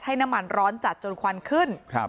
น้ำมันร้อนจัดจนควันขึ้น